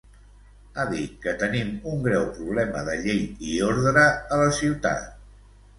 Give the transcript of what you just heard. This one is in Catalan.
Ha dit que tenim un greu problema de llei i ordre a la ciutat.